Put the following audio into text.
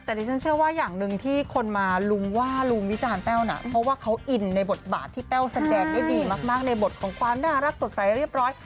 แต่ดิฉันเชื่อว่าอย่างหนึ่งที่คนมาลุมว่าลุงวิจารณแต้วนะเพราะว่าเขาอินในบทบาทที่แต้วแสดงได้ดีมากในบทของความน่ารักสดใสเรียบร้อย